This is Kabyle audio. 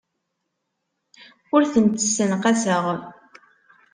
Ur tent-ssenqaseɣ.